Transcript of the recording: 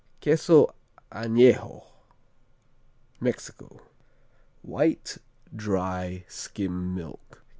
Queso Anejo Mexico White, dry, skim milk.